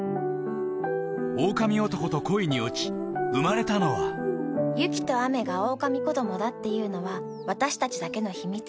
おおかみおとこと恋に落ち生まれたのは雪と雨がおおかみこどもだっていうのは私たちだけの秘密。